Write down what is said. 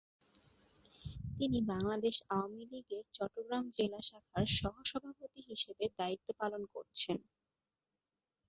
তিনি বাংলাদেশ আওয়ামী লীগের চট্টগ্রাম জেলা শাখার সহ-সভাপতি হিসাবে দায়িত্ব পালন করেছেন।